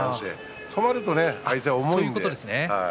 止まると相手は重いんで。